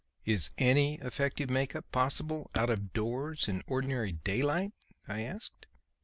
"Is any effective make up possible out of doors in ordinary daylight?" I asked.